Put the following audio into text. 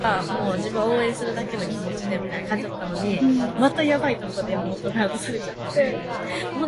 제가 춘우 씨에게 꼭 한 마디 말씀을 할 것이 있으니까요.